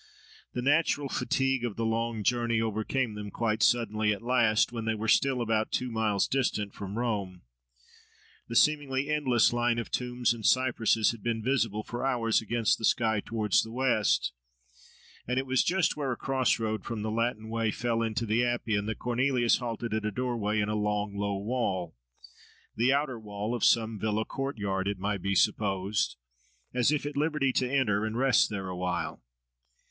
The natural fatigue of the long journey overcame them quite suddenly at last, when they were still about two miles distant from Rome. The seemingly endless line of tombs and cypresses had been visible for hours against the sky towards the west; and it was just where a cross road from the Latin Way fell into the Appian, that Cornelius halted at a doorway in a long, low wall—the outer wall of some villa courtyard, it might be supposed— as if at liberty to enter, and rest there awhile.